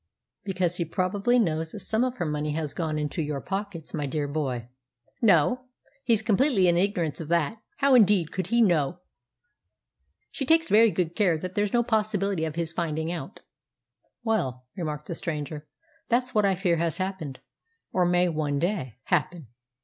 "Because he probably knows that some of her money has gone into your pockets, my dear boy." "No; he's completely in ignorance of that. How, indeed, could he know? She takes very good care there's no possibility of his finding out." "Well," remarked the stranger, "that's what I fear has happened, or may one day happen.